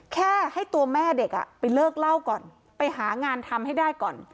แค่ให้ตัวแม่เด็กไปเลิกเล่าก่อนไปหางานทำให้ได้ก่อน